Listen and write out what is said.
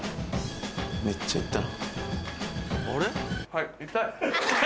めっちゃ行ったな。